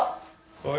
おい！